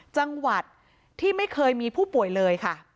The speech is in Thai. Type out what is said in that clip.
จังหวัดที่ไม่เคยมีผู้ป่วยเลยค่ะ